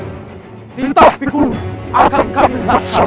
kita berkumpul akan kami langsung menangkan